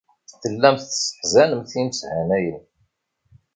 Tellamt tesseḥzanemt imeshanayen.